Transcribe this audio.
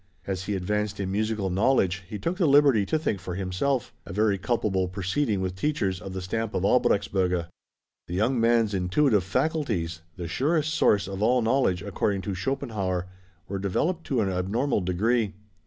As he advanced in musical knowledge he took the liberty to think for himself; a very culpable proceeding with teachers of the stamp of Albrechtsberger. The young man's intuitive faculties, the surest source of all knowledge according to Schopenhauer, were developed to an abnormal degree.